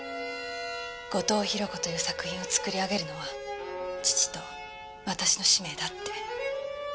後藤宏子という作品を作り上げるのは父と私の使命だって。